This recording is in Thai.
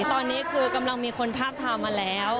ตอนนี้คือกำลังมีคนทาบทามมาแล้ว